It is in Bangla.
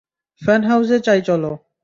ফ্যান হাউজে যাই চলো।